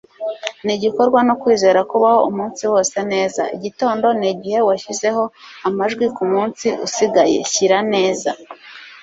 nigikorwa no kwizera kubaho umunsi wose neza. igitondo nigihe washyizeho amajwi kumunsi usigaye. shyira neza